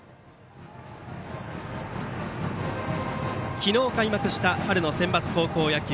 昨日開幕した春のセンバツ高校野球。